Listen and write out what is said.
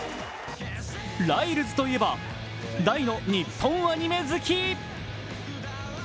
ライルズといえば、大の日本アニメ好き。